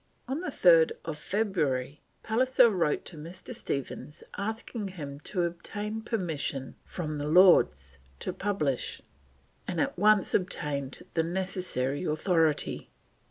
On 3rd February, Pallisser wrote to Mr. Stephens asking him to obtain permission from the Lords to publish, and at once obtained the necessary authority.